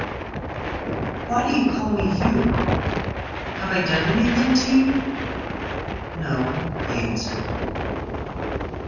"Why do you call me you? Have I done anything to you?" "No," he answered.